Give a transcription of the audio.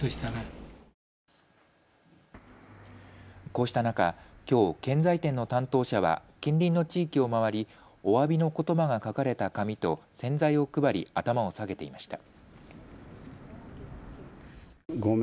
こうした中、きょう建材店の担当者は近隣の地域を回りおわびのことばが書かれた紙と洗剤を配り頭を下げていました。